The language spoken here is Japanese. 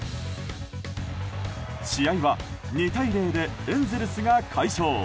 試合は２対０でエンゼルスが快勝。